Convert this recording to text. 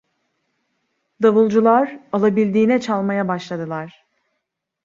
Davulcular alabildiğine çalmaya başladılar.